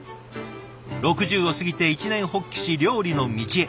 ６０を過ぎて一念発起し料理の道へ。